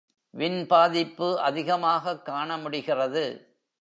Win பாதிப்பு அதிகமாகக் காண முடிகிறது.